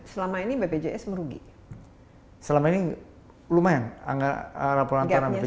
selama ini bpjs merubah bpjs dengan bpjs yang berubah dan bpjs yang berubah dengan bpjs yang berubah